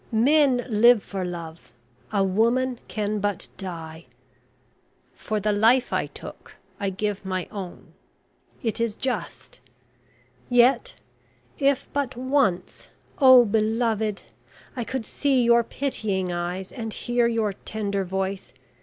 Men live for love a woman can but die. For the life I took I give my own it is just... Yet if but once, oh, beloved, I could see your pitying eyes, and hear your tender voice...